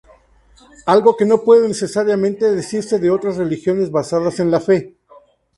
Algo que no puede necesariamente decirse de otras religiones basadas en la fe.